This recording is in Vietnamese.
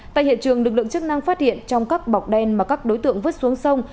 tại hiện trường lực lượng chức năng phát hiện trong các bọc đen mà các đối tượng vứt xuống sông